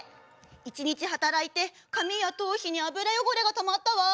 一日働いて髪や頭皮に油汚れがたまったわ。